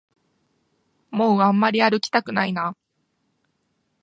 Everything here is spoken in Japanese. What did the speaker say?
もうあんまり歩きたくないな